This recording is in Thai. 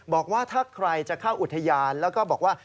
บอกว่าถ้าใครจะเข้าอุทยานแล้วก็บอกว่า